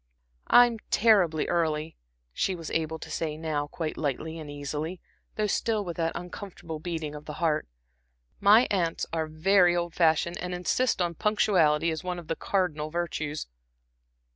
"I'm terribly early," she was able to say now, quite lightly and easily, though still with that uncomfortable beating of the heart. "My aunts are very old fashioned, and insist on punctuality as one of the cardinal virtues."